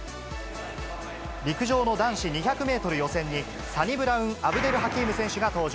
陸上の男子２００メートル予選に、サニブラウンアブデルハキーム選手が登場。